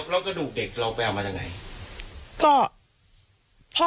แล้วกระดูกเด็กเราไปเอามาจากไหน